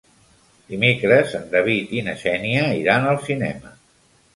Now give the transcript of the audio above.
Dimecres en David i na Xènia iran al cinema.